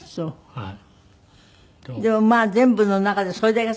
はい。